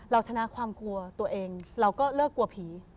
เราชนะความกลัวตัวเองเราก็เลิกกลัวผี